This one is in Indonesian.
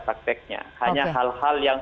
prakteknya hanya hal hal yang